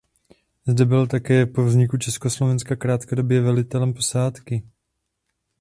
Zde byl také po vzniku Československa krátkodobě velitelem posádky.